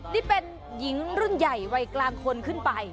นี่เป็นหญิงรุ่นใหญ่วัยกลางคนขึ้นไป